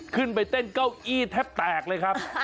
ขึ้นไปเต้นเก้าอี้แทบแตกเลยครับ